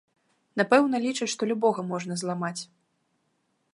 Напэўна, лічаць, што любога можна зламаць.